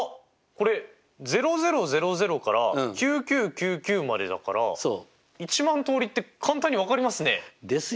これ００００から９９９９までだから１万通りって簡単に分かりますね。ですよね。